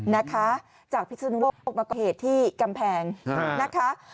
นะคะจากพิศนุโลกออกมาก่อเหตุที่กำแพงนะคะ